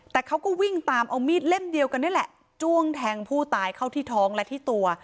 แต่เขาก็วิ่งตามเอามีดเล่มเดียวกันนี่แหละจ้วงแทงผู้ตายเข้าที่ท้องและที่ตัว